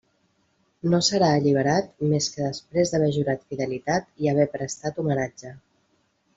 No serà alliberat més que després d'haver jurat fidelitat i haver prestat homenatge.